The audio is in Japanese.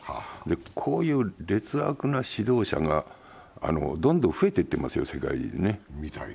こういう劣悪な指導者がどんどん増えていってますよ、世界中に。